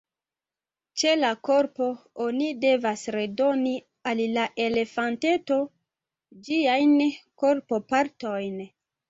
Ĉe la korpo oni devas redoni al la elefanteto ĝiajn korpopartojn.